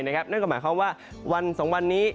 นั่นก็หมายความว่าวัน๒วันนี้